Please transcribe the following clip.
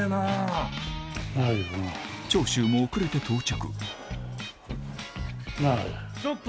長州も遅れて到着